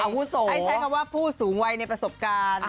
ให้ใช้คำว่าผู้สูงวัยในประสบการณ์